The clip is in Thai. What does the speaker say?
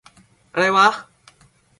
อะไรวะ !